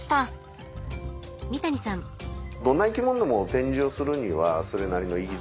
どんな生き物でも展示をするにはそれなりの意義